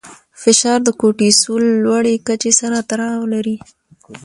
فشار د کورټیسول لوړې کچې سره تړاو لري.